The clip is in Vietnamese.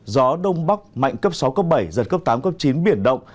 gió đông bắc mạnh cấp sáu cấp bảy giật cấp tám cấp chín biển động